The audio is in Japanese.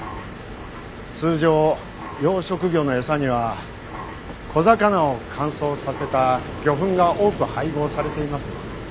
通常養殖魚の餌には小魚を乾燥させた魚粉が多く配合されています。